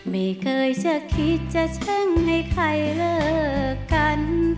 ไม่เคยจะคิดจะแช่งให้ใครเลิกกัน